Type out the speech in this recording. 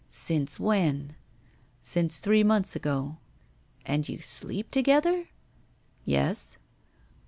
'Since when?' 'Since three months ago.' 'And you sleep together?' 'Yes.